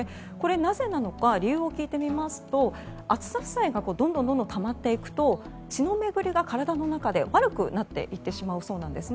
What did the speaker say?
なぜなのか理由を聞いてみますと暑さ負債がどんどんたまっていくと血の巡りが体の中で悪くなってしまうそうなんです。